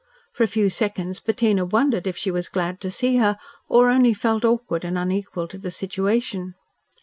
For a few seconds Bettina wondered if she was glad to see her, or only felt awkward and unequal to the situation.